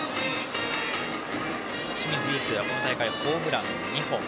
清水友惺はこの大会ホームラン２本。